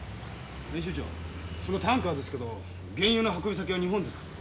編集長そのタンカーですけど原油の運び先は日本ですか？